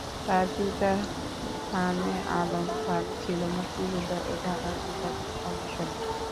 তার পিতা খানে আলম খান ছিলেন মুক্তিযুদ্ধা ও ঢাকার বিভাগীয় কমিশনার।